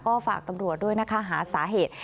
ก็ฝากตำรวจด้วยนะคะหาสาเหตุ